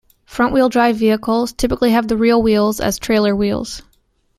Front-wheel drive vehicles typically have the rear wheels as trailer wheels.